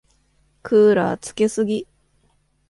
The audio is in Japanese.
クーラーつけすぎ。